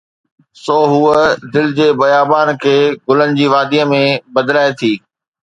سو هوءَ دل جي بيابان کي گلن جي واديءَ ۾ بدلائي ٿي.